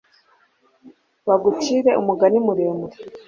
bagucire umugani muremure